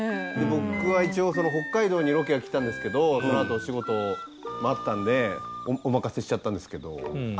僕は一応その北海道にロケは来たんですけどそのあと仕事もあったんでお任せしちゃったんですけど。